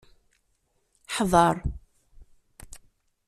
Hḍeṛ!